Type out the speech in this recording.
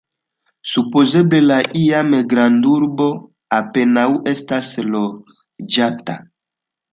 Supozeble la iam grandurbo apenaŭ estas loĝata.